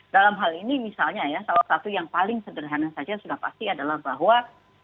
dalam hal ini misalnya ya salah satu yang paling sederhana saja sudah pasti adalah bahwa